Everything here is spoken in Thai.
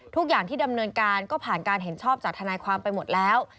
ทุกอย่างที่ดำเนินการก็ผ่านการเห็นชอบจากทนายความไปหมดแล้ว